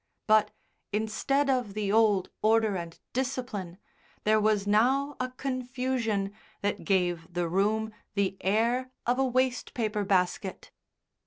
But instead of the old order and discipline there was now a confusion that gave the room the air of a waste paper basket.